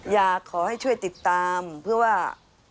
อยากให้ช่วยติดตามเพื่อว่า